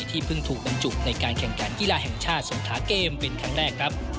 ที่เพิ่งถูกบรรจุในการแข่งขันกีฬาแห่งชาติสงขาเกมเป็นครั้งแรกครับ